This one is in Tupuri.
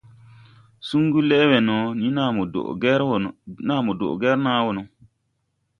Suŋgu lɛʼ we no ni naa mo dɔɗ gɛr naa wɔ no.